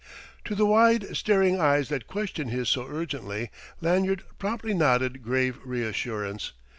To the wide, staring eyes that questioned his so urgently, Lanyard promptly nodded grave reassurance.